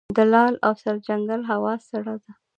د لعل او سرجنګل هوا سړه ده